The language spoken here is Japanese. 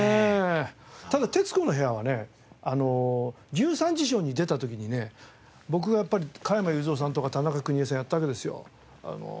ただ『徹子の部屋』はね『１３時ショー』に出た時にね僕がやっぱり加山雄三さんとか田中邦衛さんやったわけですよ。